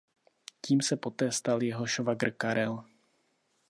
Tím se poté stal jeho švagr Karel.